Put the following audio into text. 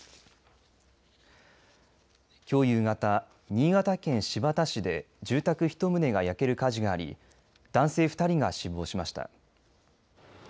きょう夕方新潟県新発田市で住宅１棟が焼ける火事があり男性２人が死亡しました。